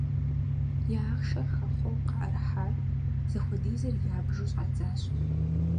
Я ахъшэр хэхъуэу къаӀэрыхьар зыхуэдизыр ябжу щӀадзащ.